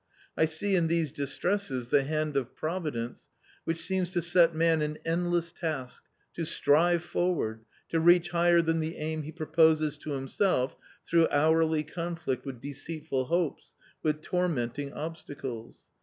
I see in these distresses the hand of Providence, which seems to set man an endless task —to strive forward, to reach higher than the aim he proposes to himself through hourly conflict with deceitful hopes, with tormenting obstacles.